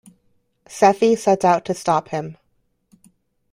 Sephie sets out to stop him.